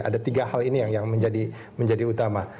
ada tiga hal ini yang menjadi utama